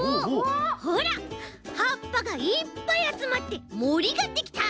ほらはっぱがいっぱいあつまってもりができた！